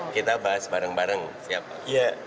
kita bahas bareng bareng siapa